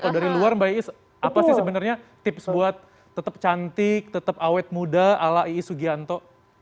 kalau dari luar mbak iis apa sih sebenarnya tips buat tetap cantik tetap awet muda ala iis sugianto